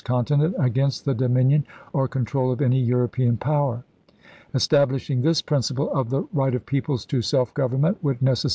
continent against the dominion or control of any European power." Establishing this principle of the right of peoples to self government would neces Feb.